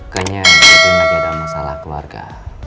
kayaknya catherine lagi ada masalah keluarga